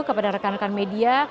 kepada rekan rekan media